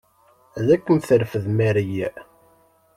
Ad kem-terfed Mary.